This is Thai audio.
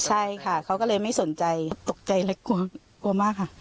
ใช่ค่ะเขาก็เลยไม่สนใจตกใจและกลัวกลัวมากค่ะ